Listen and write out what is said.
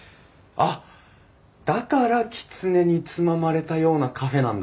だからきつねにつままれたようなカフェなんだ。